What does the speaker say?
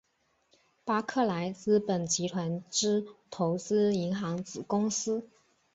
巴克莱资本集团之投资银行子公司。